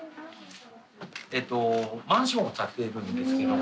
えっとマンションを建てるんですけども。